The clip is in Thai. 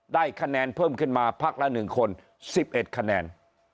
ได้คะแนนเพิ่มขึ้นมาพักละ๑คน๑๑คะแนน